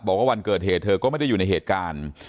บอกว่าวันเกิดเหตุเธอก็ไม่ได้อยู่ในเหตุการณ์